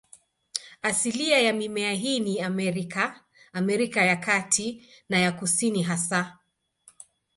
Asilia ya mimea hii ni Amerika, Amerika ya Kati na ya Kusini hasa.